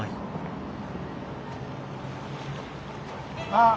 あ？